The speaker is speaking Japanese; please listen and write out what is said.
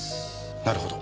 なるほど。